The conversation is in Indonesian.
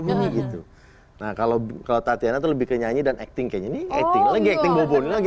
begitu nah kalau kalau tatiana lebih ke nyanyi dan acting kayaknya ini lagi acting bobon lagi